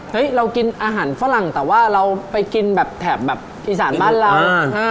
เรากินอาหารฝรั่งแต่ว่าเราไปกินแบบแถบแบบอีสานบ้านเรา